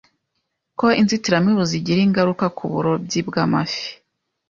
ko inzitiramibu zigira ingaruka ku burobyi bw’amafi,